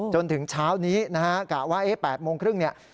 จนถึงเช้านี้นะฮะกะว่า๘โมงครึ่งเนี่ย